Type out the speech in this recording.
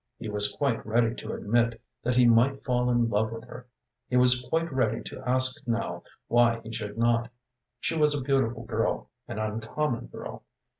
He was quite ready to admit that he might fall in love with her. He was quite ready to ask now why he should not. She was a beautiful girl, an uncommon girl.